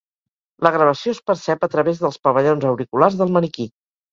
La gravació es percep a través dels pavellons auriculars del maniquí.